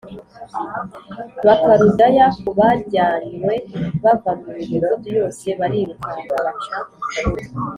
Bukaludaya ku bajyanywe bava mu midugudu yose barirukanka baca